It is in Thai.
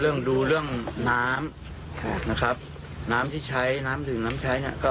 เรื่องดูเรื่องน้ำน้ำที่ใช้น้ำถึงน้ำใช้